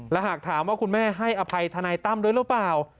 และหากถามว่าคุณแม่ให้อภัยทนายตั้มด้วยหรือเปล่า